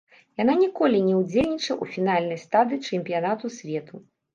Яна ніколі не ўдзельнічала ў фінальнай стадыі чэмпіянату свету.